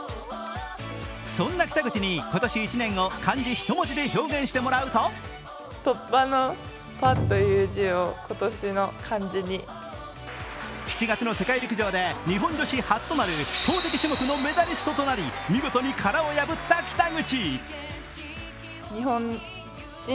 そんな北口に今年１年を漢字一文字で表現してもらうと７月の世界陸上で日本女子初となる投てき種目のメダリストとなり見事に殻を破った北口。